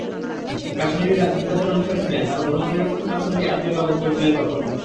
কাশ্মীরিরা সুফিবাদের অনুসারী ছিলেন, তারা ধর্মনিরপেক্ষতার সঙ্গেই আত্মীয়তা বোধ করেছিলেন তখন।